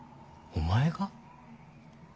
お前が。